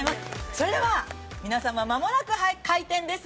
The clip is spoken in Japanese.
それでは、皆様間もなく開店です。